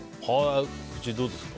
菊地、どうですか。